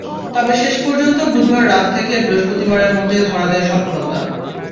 তবে শেষ পর্যন্ত বুধবার রাত থেকে বৃহস্পতিবারের মধ্যে ধরা দেয় সফলতা।